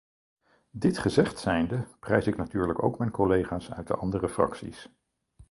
Dit gezegd zijnde, prijs ik natuurlijk ook mijn collega's uit de andere fracties.